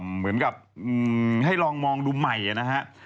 เหมือนกับให้ลองมองดูใหม่นะฮะ